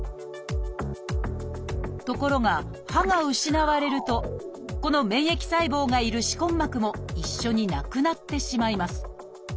ところが歯が失われるとこの免疫細胞がいる歯根膜も一緒になくなってしまいます。